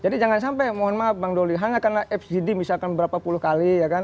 jadi jangan sampai mohon maaf bang doli hanya karena fgd misalkan berapa puluh kali ya kan